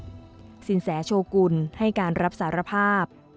๑๔เมษายน๒๕๖๐สินแสโชคุณให้การรับสารภาพ